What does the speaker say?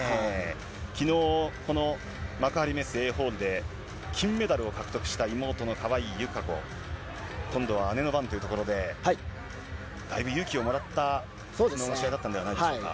きのう、この幕張メッセＡホールで金メダルを獲得した妹の川井友香子。今度は姉の番というところで、だいぶ勇気をもらった、きのうの試合だったんじゃないでしょうか。